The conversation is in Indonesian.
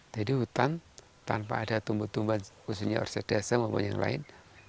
jadi hutan tanpa ada tumbuh tumbuhan khususnya orsedase maupun yang lain